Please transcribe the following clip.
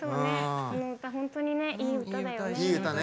本当にいい歌だよね。